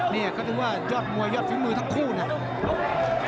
เนี่ยเขาคิดว่ายอดมวยยอดฝีมือทั้งคู่เนี่ย